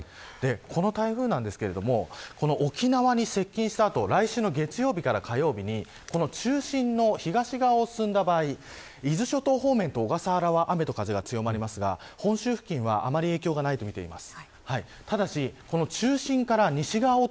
この台風ですが沖縄に接近した後来週の月曜日から火曜日に中心の東側を進んだ場合伊豆諸島方面と小笠原方面は雨と風が強まりますが本州付近は影響がないと見ています。